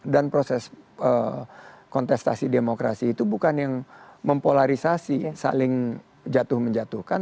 dan proses kontestasi demokrasi itu bukan yang mempolarisasi saling jatuh menjatuhkan